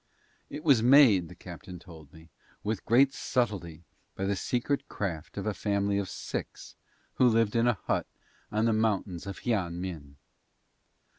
It was made, the captain told me, with great subtlety by the secret craft of a family of six who lived in a hut on the mountains of Hian Min.